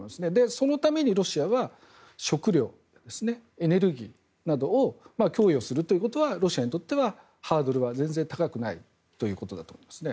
そのためにロシアは食糧エネルギーなどを供与するということはロシアにとってはハードルは全然高くないということだと思いますね。